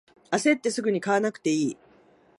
あせってすぐに買わなくていい